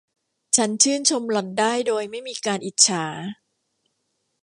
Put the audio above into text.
ฉันชื่นชมหล่อนได้โดยไม่มีการอิจฉา